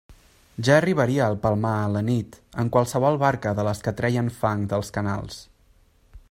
Ja arribaria al Palmar a la nit en qualsevol barca de les que treien fang dels canals.